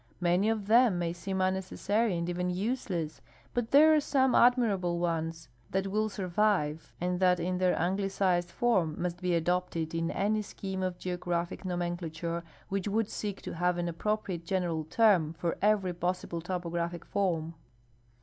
INIany of them may seem unnecessary and even useless, but there are some admirable ones that will survive and that in their an glicized form must be adopted in any scheme of geographic nomenclature which would seek to have an appropriate general term for every possible topographic form.